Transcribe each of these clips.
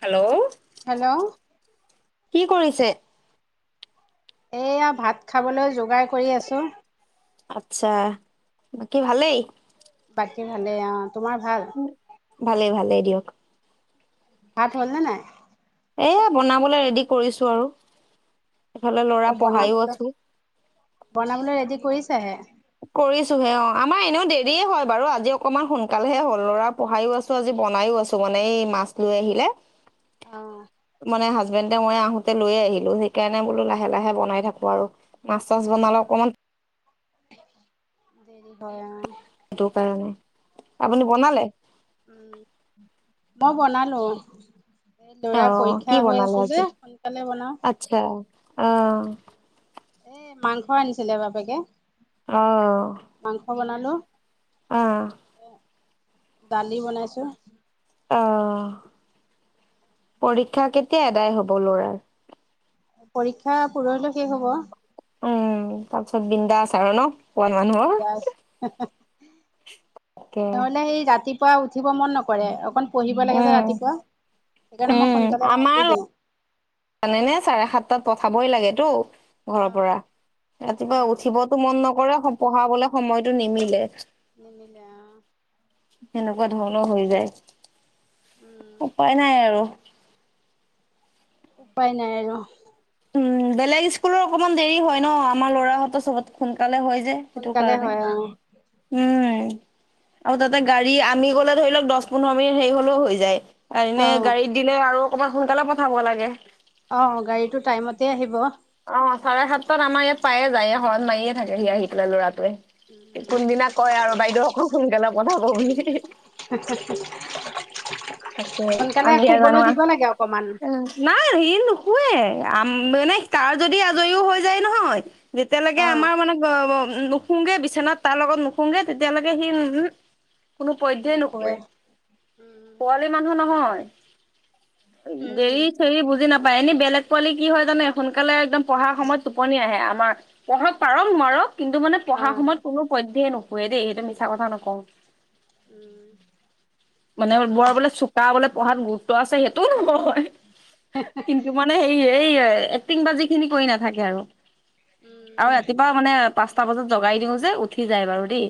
Hello hello কি কৰিছে এয়া ভাত খাবলৈ যোগাৰ কৰি আছো আচ্ছা বাকি ভালেই বাকী ভালেই অ তোমাৰ ভাল ভালেই ভালেই দিয়ক ভাত হ'ল ন নাই এ বনাবলৈ ৰেডি কৰিছো আৰু সফালে লৰা অ পঢ়াইও বনাবলৈ আছো বনাবলৈ ৰেডি কৰিছাহে কৰিছোহে অ আমাৰ এনেও দেৰিয়ে হয় বাৰু আজি অকমান সোনকালেহে হৰু ল'ৰা পঢ়াইও আছো আজি বনাইও আছো মানে এই মাছ লৈ আহিলে অ মানে হছবেণ্ডে মই আহোঁতে লৈয়ে আহিলো সেইকাৰণে বোলো লাহে লাহে বনাই থাকো আৰু মাছ চাছ বনালে অকণমান ব সেইটো কাৰণে আপুনি বনালে উম মই বনালো এই অ লৰা কি পৰীক্ষা হৈ বনালে আছে যে আজি সোনকালে বনাও আচ্ছা অ এ মাংস আনিছিলে বাপেকে আহ মাংস বনালো দালি বনাইছো আহ পৰীক্ষা কেতিয়া এদাই হব লৰাৰ পৰীক্ষা পৰহিলৈ শেষ হব উম তাৰ পিছত বিন্দা আচাৰ ন পোৱালি মানুহৰ বিন্দাস তাকে নহলে সেই ৰাতিপুৱা উঠিব মন নকৰে অকণ পঢ়িব লাগে যে উম ৰাতিপুৱা সেইকাৰণে মই সোনকালে মাতি দিওঁ জানে নে চাৰে সাতটাত পঠাবই লাগে ো ঘৰৰ অ', পৰা ৰাতিপুৱা অ', উঠিবতো মন নকৰে পঢ়াবলে সময়তটো নিমিলে নিমিলে অ সেনেকুৱা ধৰণৰ হৈ যায় উম, উপায় নাই আৰু উপাই নাই আৰু উম বেলেগ স্কুলৰ অকণমান দেৰি হয় ন আমাৰ ল'ৰাহতৰ চবত সোনকালে হয় যে সেইটো সোনকালে কাৰণে হয় অ', উম আৰু তাতে গাড়ী আমি গলে ধৰি লওক দহ পোন্ধৰ মিনিট হেৰি হলেও হৈ যায় এনে অ', গাড়ীত দিলে আৰু অকণমান সোনকালে পঠাব লাগে অ', গাড়ীটো টাইমতে আহিব। অ চাৰে সাতটাত আমাৰ ইয়াত পায়ে যায় শৰণ মাৰিয়ে থাকে সি আহি পেলাই লৰাটোৱে কোনদিনা কয় আৰু বাইদেউসকল সোনকালে পথাব বুলি ভাত চাত খালি তাকেই আমি হে জানোৱা লাগে অকমান নাই শুৱে আম মানে তাৰ যদি আজৰিও হৈ যায় নহয় যেতিয়ালৈকে অ', আমাৰ মানে নুখুংগে বিচনাত তাৰ লগত নুখুংগে তেতিয়ালৈকে সি উহূ কোনো পধ্যেই নুশুৱে উম, পোৱালি মানুহ নহয় উম, দেৰি থেৰি বুজি নাপায় এনে বেলেগ পোৱালি কি হয় জানে সোনকালে একদম পঢ়াৰ সময়ত টোপনি আহে আমাৰ পঢ়ক পাৰক নোৱাৰক কিন্তু মানে পঢ়াৰ অ', সময়ত কোনো পদ্ধয় নুশুৱে নুশুৱে দেই সেইটো মিছা কথা নকওঁ উম, মানে বৰ বোলে চোকা বোলে পঢ়াত গুৰুত্ব আছে সেইটোও নক‌ও হয় কিন্তু মানে সেই এই চিটি‍ং বাজিখিনি কৰি নাথাকে আৰু উম, আৰু ৰাতিপুৱা মানে পাছ পাঁচটা বজাত জগাই দিওঁ যে উঠি যায় বাৰু দেই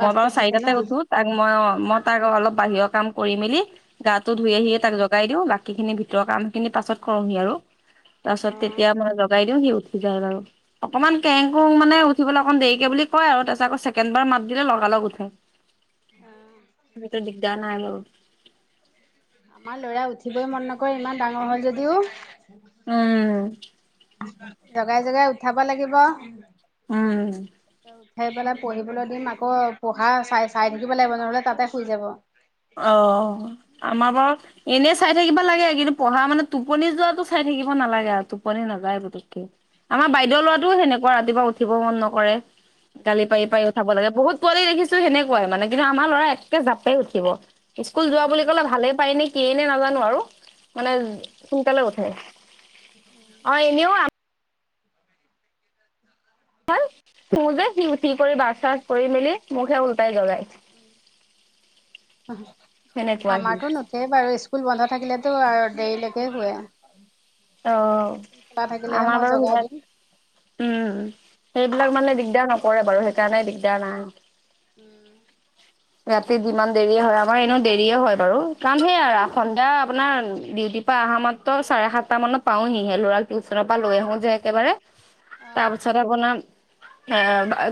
মই বাৰু উঠে ন? চাৰিটাতে উঠো তাক মই উম, মই তাক অলপ বাহিৰৰ কাম কৰি মেলি গাটো ধুই অ', আহিয়ে তাক জগাই দিওঁ বাকীখিনি ভিতৰৰ কাম খিনি পাছত কৰোহি আৰু তাৰ পাছত অ', তেতিয়া মই জাই দিওঁ সি উঠি যায় বাৰু অকমান কেং কুং মানে উঠিব ল অকণ দেৰিকে বুলি কয় আৰু তাতে আকৌ ছেকেণ্ড বাৰ মাত দিলে লগালগ উঠে সেইটো দিগদাৰা নাই মোৰ আমাৰ লৰা উঠিবই মন নকৰে ইমান ডাঙৰ হয় যদিওঁ উম জগাই জগাই উঠাব লাগিব উম উঠাই পেলাই পঢ়িবলৈ দিম আকৌ পঢ়া চাই চাই থাকিব লাগিব নহ'লে তাতে শুই যাব এনেই চাই থাকিব লাগে কিন্তু পঢ়া মানে টোপনি যোৱাতটো চাই থাকিব নালাগে আৰু টোপনি নাযায় বুলু আমাৰ বাইদেউ লৰাটোও সেনেকুৱা ৰাতিপুৱা উঠিব মন নকৰে গালি পাৰি পাৰি উঠাব লাগে বহুত পোৱালি দেখিছো সেনেকুৱাই মানে কিন্তু আমাৰ লৰা একে জাপে উঠিব স্কুল যোৱা বুলি ক'লে আমাৰতো ভালেই পায় নে কিয়েই নে নাজানো আৰু মানে সোনকালে উঠে অ এনেও শুও যে সি উঠি কৰি ব্ৰাছ চাছ কৰি মেলি মোকহে উলটাই জগাই সেনেকুৱা সি আমাৰতো নুঠেই বাৰু স্কুল বন্ধ থাকিলে আৰু দেৰি লৈকে শুৱে অ স্কুল খোলা থাকিলেহে আমাৰ মই বাৰু জগাই দিম। উম সেইবিলাক মানে দিগদাৰ নকৰে বাৰু সেইকাৰণে দিগদাৰ নাই উম ৰাতি যিমান দেৰি হয় আমাৰ এনেও দেৰিয়ে হয় বাৰু কাৰণ সেইয়া সন্ধিয়া আপোনাৰ ডিউটি বিউটিৰ পৰা আহা মাত্ৰ চাৰে সাত ট মানত পাওহিহে লৰাক টিউচনৰ পৰা লৈ আহো যে একেবাৰে অ', তাৰ পিছত আপোনাৰ এ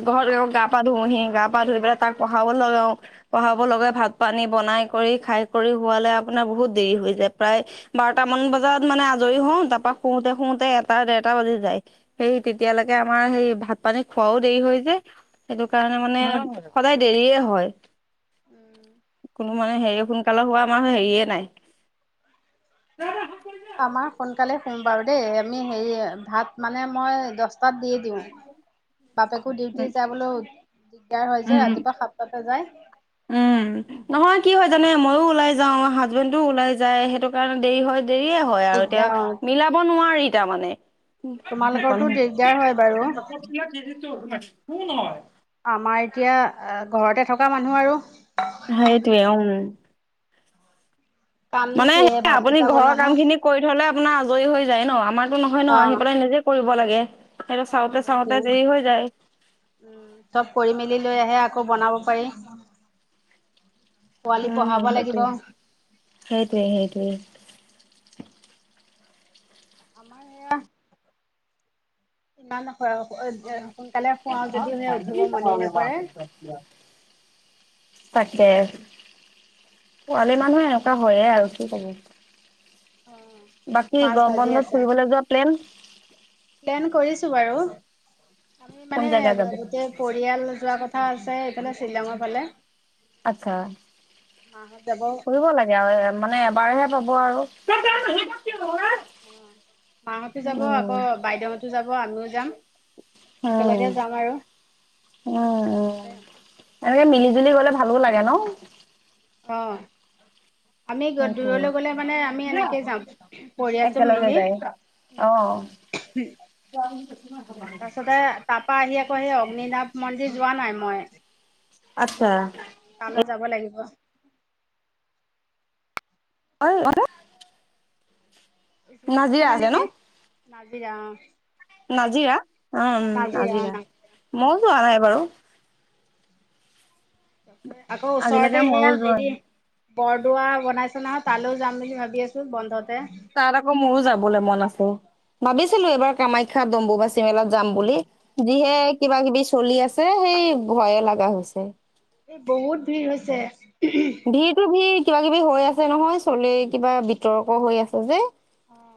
ঘৰত গা পা ধুহি গা পা ধুই পেলাই তাক পঢ়াব লগাও পঢ়াব লগাই ভাত পানী বনাই কৰি খাই কৰি হোৱালে আপোনাৰ বহুত দেৰি হৈ যায় প্ৰায় বাৰটা মান বজাত মানে আজৰিহ‌ও পৰা শুওতে শুওতে এটা দেৰ বাজি যায় সেই তেতিয়ালৈকে আমাৰ সেই ভাত পানী খ খোৱাও দেৰি হৈ যে সেইটো কাৰণে অ', মানে সদায় দেৰিয়ে হয় [inaudible] কোনো মানে হেৰি সোনকালে হোৱা আমাৰ হেৰিয়ে নাই আমাৰ সোনকালে সোম বাৰু দেই আমি হেৰি ভাত মানে মই দহটাত দি দিও বাপেকো উম, ডিউটি যাবলৈ দিগদাৰ হয় যে উম। ৰাতিপুৱা সাতটাতে যায় উম নহয় কি হয় জানে ময়ো ওলাই যাও যাওৱা হাজবেণ্ডটোও ওলাই যায় সেইটো কাৰণে দেৰি হয় দেৰিয়ে হয় আৰু এ তেও দিগদাৰ অ'। মিলাব নোৱাৰি তাৰ মানে সেইখন তোমালোকৰতো দিগদাৰ হয় বাৰু কোন হয় আমাৰ এতিয়া ঘৰতে থকা মানুহ আৰু সেইটোৱে উ কামনো মানে কিহে সে আপুনি ভাতকেইটা ঘৰৰ বনোৱাহে কাম খিনি কৰি থলে আপোনাৰ আজৰি হৈ যাই ন আমাৰতো নহয় ন অ', আহি পেলাই নিজে কৰিব লাগে সেইটো অ চাওঁতে চাওঁতে সেইটোয়ে উ দেৰি হৈ যায় চব কৰি মেলি লৈ আহে আ আকৌ বনাব পাৰি পোৱালি উ পঢ়াব লাগিব। সেইটোৱে সেইটোৱে সেইটোৱে আমাৰ এয়া ইমান খৰহকৈ ভান নে নকৰে। মতিয় তাকে পোৱালি মানুহে এনেকুৱা হয়য়ে আৰু কি কব বাকী মাছ ভাজি গৰমবন্ধত আছে ফুৰিবলৈ যোৱা প্লেন প্লেন কৰিছো বাৰু আমি কোন মানে জেগা যাব গোটেই পৰিয়াল যোৱা কথা আছে এইফালে শ্বিলঙৰ ফালে আচ্চাৰ মাহত যাব অ'। পঢ়িব লাগে আৰু মানে এবাৰতে কি কব আৰু অ মাহতো যাব উম আকৌ বাইদেউহতো যাব আমিও যাম উ একেলগে যাম আৰু। উ উ এনেকে মিলি জুলি গলে ভাল ভালো লাগে ন অ আমি সেইটোৱে দূৰলৈ গলে মানে আমি এনেকে যাাম পৰিয়ালটো একেলগে মিলি যায় অ উ তাৰ পাছতে তাৰ পৰাা আহি আকৌ সেই অগ্নিনাথ মন্দিৰ যোৱা নাই মই আচ্চাৰ তালৈ যাব লাগিব। অ যোৰহাটৰ ফলেে নেকি নাজিয়া অ নাজিৰা উম নাজিৰা মইও যোৱা নাই বাৰু আকৌ ওচৰতে আজিলৈকে ময়ো সেয়া যোৱা হেৰি নাই বৰদোৱা বনাছে নহয় তালৈও যাম বুলি ভাবি আছো বন্ধতে তাত আকৌ মোৰো যাবলৈ মন আছিল ভাবিছিলো এইবাৰ কামাখ্যা অম্বু বাচি মেলাত যাম বুলি যিহে কিবা কিবি চলি আছে সেই ভয়ে লগা হৈছে এই বহুত ভিৰ হৈছে ভিৰতো ভিৰ কিবা কিবি হৈ আছে নহয় চলে কিবা বিতৰ্ক হৈ আছে যে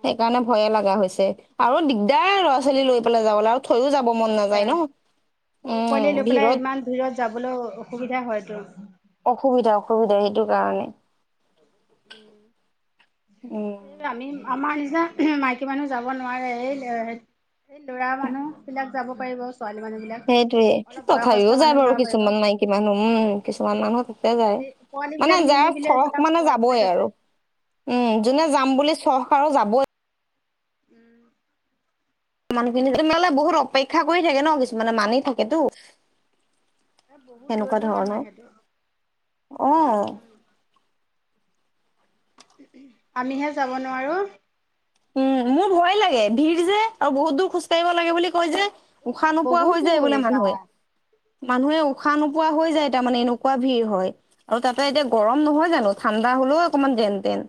সেইকাৰণে ভয়ে লগা হৈছে আৰু দিগদাৰ ল'ৰা ছোৱালী লৈ পেলাই যাবলৈ আৰু থৈয়ো যাব এই মন নাযায় দিগদাৰ ন সৰু পোৱালি উ লৈ পেলাই ভিৰত ইমান ভিৰত যাবলৈ অসুবিধা হয়তো অসুবিধা অসুবিধা সেইটো কাৰণে উম সেই আমি আমাৰ এতিয়া মাইকী মানুহ যাব নোৱাৰে এই এই ল'ৰা মানুহ বিলাক যাব পাৰিব ছোৱালী মানুহবিলাক সেইটোয়ে অলপ বয়সস্থ তথাপিও যায় মানুহ বাৰু যাব পাৰিব কিছুমান মাইকী মানুহ উ কিছুমান মানুহ তাতে যায় পোৱালি পোৱালিবিলাক মানে যাৰ নিনি পেলাই আকৌ ফৰক তাক মানে খুৱাই যাব খুৱাই ই থৈছে আৰু উম অঁ যোনে যাম বুলি চখ আৰু যাবই উম মানুহখিনিত তোমলে বহুত অপেক্ষা কৰি থাকে ন কিছুমানে মানি থাকেতো এ বহুত দূৰ সেনেকুৱা দূৰৰ মানুহ ধৰণৰ আহেটো অ উম আমিহে যাব নোৱাৰো উম মোৰ ভয় লাগে ভিৰ যে আৰু বহুত দূৰ খোজকাঢ়িব লাগে বুলি কয় যে এই উশাহ নোপোৱা বহুত হৈ যায় এই বোলে দূৰ বা মানুহে মানুহে উশাহ নোপোৱা হৈ যায় তাৰমানানে এনেকুৱা ভিৰ হয় আৰু তাতে এতিয়া উম গৰম নহয় জানো ঠাণ্ডা হলেও অকনমান যেন তেন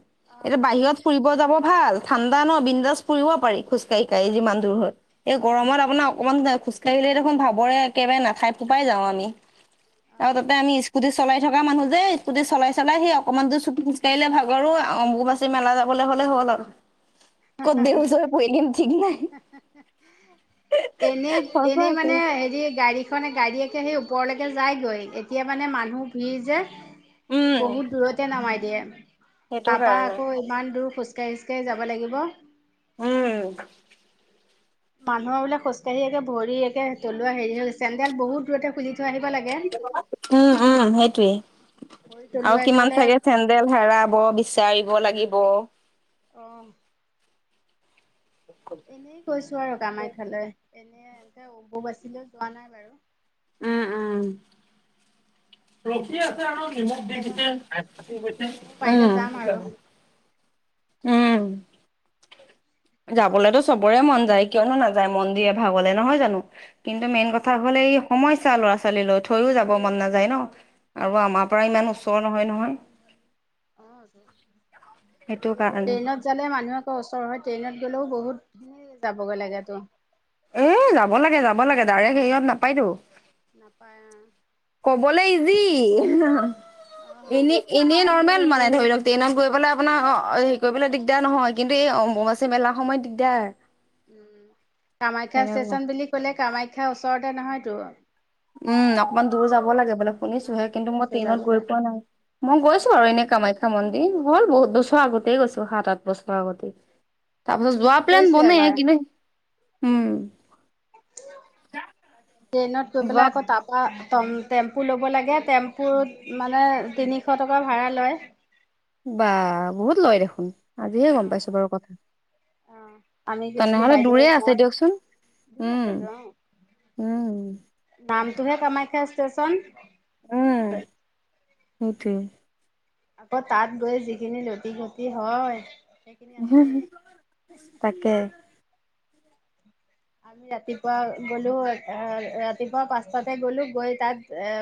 এতিয়া অঁ বাহিৰত ফুৰিব যাব ভাল ঠাণ্ডা ন বিন্দাজ পৰিুৰিব পাৰি খোজকাঢ় কঢ়ি অঁ যিমান দূুৰৰত এই গৰমত আপোনাৰ অকণমান খোজকাঢ়িলে দেখোন ভাবৰে একেবাৰে নাথাই ফোপাই যাওঁ আমি আৰু অঁ তাতে আমি স্কুটিত চলাই থকা মানুহ যে স্কুটি চলাই চলাই সেই অকনমান দৰ চুট কাইলৈ ভাগৰো অম্বকুবাচী মেলা যাবলৈ হ'লে হ'ল আৰু ক' দেউজ প কিন্তি এনেই এনেই সঁচাকে। মানে হেৰি গাড়ী খনে গাড়ীয়ে তিয়া সেই ওপৰলৈকে যায়গৈ এতিয়া মানে মানুহ ভিৰ যে এই উম বহুত দূৰতে নামাই দিয়ে সেইটো তাৰাপা কাৰণে আকৌ ইমান দূৰ খু চক যাব লাগিব উম মানুহৰ বোলে খোজকাঢ়ি একে ভৰি একে তলুৱা হেৰি হৈ চেডেল বহুত দূৰতে খুজি উম উম সেইটোৱে ভৰি তলুৱা আৰু কিমান একেবাৰে চাগে হেৰি চেন্দেল হেৰাব বিচাৰিব লাগিব অ এনেই কৈছো আৰু কামাখ্যালৈ এনেই এ বু বাচিলেও যোৱা নাই বাৰু উম উম প্ৰকিয় নিম কেতিয়াবা দিছে কেতিয়াবা পাৰিলে যাম আৰু উ উম যাবলেতো চবৰে মন যায় কিয়নো নাযায় মন্দিৰৰে ভাগলে নহয় জানো কিন্তু মেইন কথা অ' হল এই সমস্যা ল'ৰা ছোৱালীলৈ থৈও যাব মন নাযায় ন আৰু আমাৰ পৰা অ' ইমান ওচৰ নহয় নহয় অ সেইটো কাৰণে। ট্ৰেইনত জালে মানুহ আৌ ওচৰ হয় ট্ৰেইনত গলেও বহুত যাবগৈ লাগে তো এ যাব লাগে যাব লাগে ডাইৰেক্ট হেৰিয়ত নাপায়তো নাপায় কবলৈ ইজি অ' অ'। এনে এনে নৰ্মৰ্মেল মানে ধৰি লওক ট্ৰেইনত গৈলৈ আপোনাৰ অ হেৰি কৰিবলৈ দিগদাৰ নহয় কিন্তু এই অম্বনাচী মেলাৰ সময়ত দিগদাৰ উ কামাখ্যা সেনেকুৱা ষ্টেচন বুলি কলে কামাখ্যা ওচৰতে নহয়তো উম অকমান দূৰ যাব লাগে বোলে শুনিছোহে দূৰ কিন্তু মই আছে ট্ৰেইনত যাবলৈ, গৈ পোৱা নাই মই গৈছো উম, আৰু এনে কামাখ্যা মন্দিৰ হ'ল বহুত বছৰ আগতেই গৈছো সাত আঠ বছৰ আগতেই তাৰ আমি পিছত যোৱা ট্ৰেইনত প্লেন গৈছো বনেে এবাৰ। কিন্তু উম ট্ৰেইনত গৈ যোৱা পেলাই আকৌ তাৰপা ট টেম্পু ল'ব লাগে টেম্পুত মানে তিনিশ টকা ভাড়া লয় বা বহুত লয় দেখোন আজিহে গম অ', পাইছো বাৰু কথা অ আমি গৈছিলো তেনেহলে দূৰে বাইদেউ আছে মই দিয়কচোন দূৰ উম আছতো অ উম নামটোহে কামাইখ্যে আ চন দ উম আছে সেইটোৱে আকৌ তাত গৈ যিখিনি লতিি খতিি হয় সেইখিনি আছে তাকে আমি ৰাতিপুৱা গলো ৰাতিপুৱা পাঁচটাাতে গ'লো গৈ তাত এ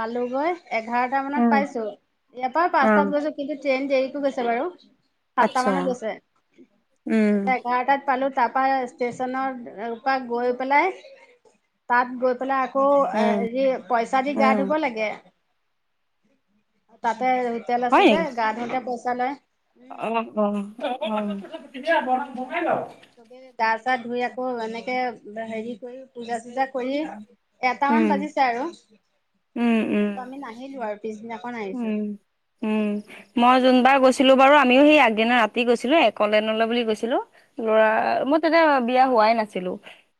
পালোঁগৈ। এঘাৰটা মানত উম পাইছো এয়াপ্ৰাও অ পাঁচটাত গৈছো কিন্তু ট্ৰেইন দেৰিকো গৈছে বাৰু। সাতটা আচ্ছা মানত গৈছে উম এঘাৰটাত পালো তাৰ পৰাা ষ্টেচনত। এপিয়াক গৈ পালে তাত গৈ পালে আক আকৌ উম হেৰি পইচা দি গা উম ধুব লাগে। তাত তাতে হোতেল আছে হয় যে নেকি গা ধোওঁতে পইচা লয়। উম অ' অ' অ' তাৰপাছত চবে [unintelligible] গা সা ধুই আৰু এনেকে হেৰী কৈ পূজা চূজা কৰি এটামান উম বাজিছে আৰু। উম উম আকৌ আমি নাহিলো আৰু পিছদিনা উম। উম, মই যোনবাৰ গৈ ছিলো বাৰু আমিও হেৰী আগদিনা ৰাতি গৈছিলো অকলেণ্ড বুলি গৈছিলো ল'ৰা অ মোৰ তেতিয়া বিয়া হোৱ পাই নাছিলো।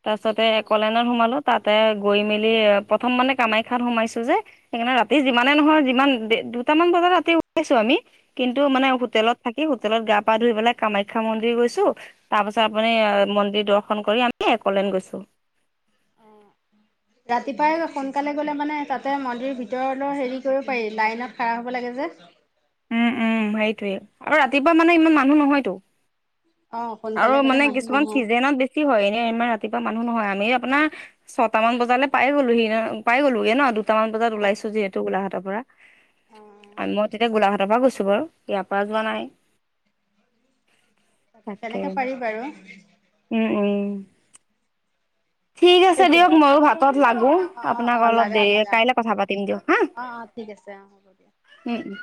তাৰ পাছতে কলেনত সোমালো তাতে গৈ মেলি প্ৰথম মানে কামাখ্যাত সোমাইছো যে। সেইকাৰণে ৰাতি যিমানে নহয় যিমান দুটামান বজাত ৰাতি উলাইছো আমি। কিন্তু মানে হোটেলত থাকি হোটেলত গা পা ধুই পেলাই কামাখ্যা মন্দিৰ গৈছো। তাৰপাছত উম আপুনি মন্দিৰ দৰ্শন কৰি আমি একলেন গৈছোঁ। উম। ৰাতিপুৱাই সোনকালে গলে মানে তাতে মন্দিৰ ভিতৰলৈৰ হেৰি কৰিব পাৰি লাইনত খাৰা হ'ব লাগে যে। উম, উম সেইটোৱেই আৰু ৰাতিপুৱা মানে ইমান মানুহ নহয়তো। অ আৰু সোনকালে গ'লে মানে মানুহ কিছুমান নহয় চিজনত বেছি হয় এনে ইমান ৰাতিপুৱা মানুহ নহয়। আমি আপোনাৰ ছট মান বজালে পাই গ'লো সি পাই গ'লো হে ন দু কেইটামান বজাত অ ওলাইছো যিহেতু গোলাঘাটৰ পৰা অ মই তেতিয়া গোলাঘাটৰ পৰা গৈছো বাৰু। এয়াপা প্যোৱা অ নাই। তাকে। তেনেকে পাৰি বাৰু উম, উম। ঠিক আছে সেইটোৱে দিয়ক মইো ভাতত লাগো অ অ আপোনাক অ অলপ লাগা দেৰি লাগা কাইলে কথা পাতিম দিয়ক। হা। অ' অ' ঠিক আছে। অ হ'ব দিয়া। উম, উম।